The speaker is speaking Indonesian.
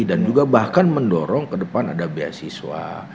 dan juga bahkan mendorong ke depan ada beasiswa